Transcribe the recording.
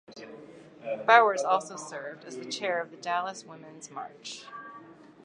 Bowers also served as the Chair of the Dallas Woman’s March.